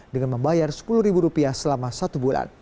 dengan membayar rp sepuluh selama satu bulan